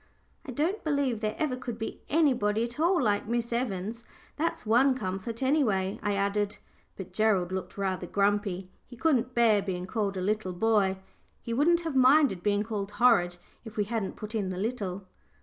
"I don't believe there ever could be anybody at all like Miss Evans that's one comfort, any way," I added. But Gerald looked rather grumpy: he couldn't bear being called a "little boy" he wouldn't have minded being called "horrid" if we hadn't put in the "little."